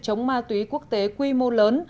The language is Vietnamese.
chống ma túy quốc tế quy mô lớn